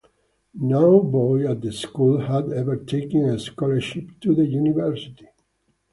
No boy at the school had ever taken a scholarship to the university.